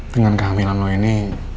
dengan kehamilan lo ini